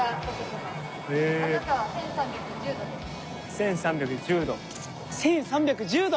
１３１０度。